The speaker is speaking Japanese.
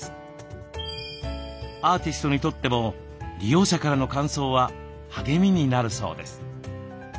アーティストにとっても利用者からの感想は励みになるそうです。